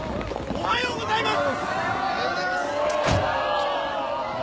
おはようございます！